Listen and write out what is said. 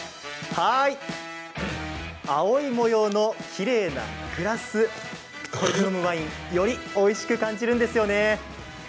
青い模様のきれいなグラスこれで飲むワインおいしく感じるんですよね。